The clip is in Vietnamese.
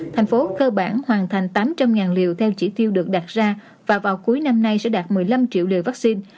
tp hcm hoàn thành tám trăm linh liều theo chỉ tiêu được đặt ra và vào cuối năm nay sẽ đạt một mươi năm triệu liều vaccine